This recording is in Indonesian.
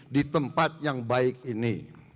di tempat yang baik ini